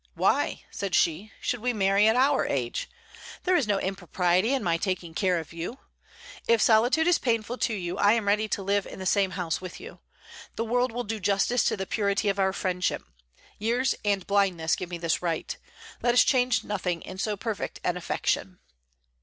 "Why," said she, "should we marry at our age? There is no impropriety in my taking care of you. If solitude is painful to you, I am ready to live in the same house with you. The world will do justice to the purity of our friendship. Years and blindness give me this right. Let us change nothing in so perfect an affection."